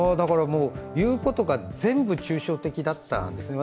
言うことが全部抽象的だったんですね。